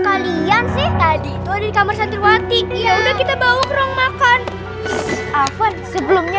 kalian sih tadi itu ada di kamar santirwati ya udah kita bawa kurang makan apa sebelumnya